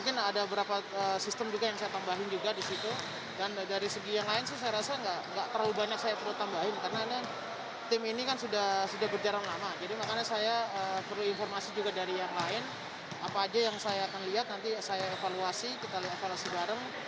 jadi makanya saya perlu informasi juga dari yang lain apa aja yang saya akan lihat nanti saya evaluasi kita evaluasi bareng agar segi teknik maupun fisik juga